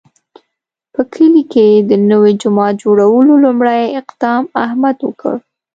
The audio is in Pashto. په کلي کې د نوي جومات جوړولو لومړی اقدام احمد وکړ.